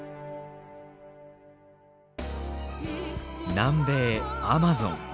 南米アマゾン。